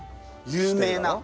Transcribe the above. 有名な。